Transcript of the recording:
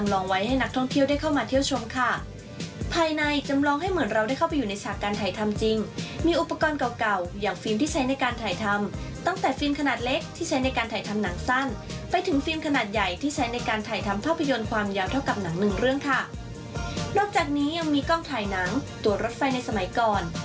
นอกจากนี้ยังมีกล้องถ่ายหนังตัวรถไฟในสมัยก่อน